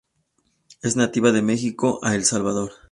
Es nativa de Mexico a El Salvador.